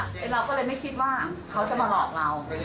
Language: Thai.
เราก็เลยไม่คิดว่าเขาจะมาหลอกเรา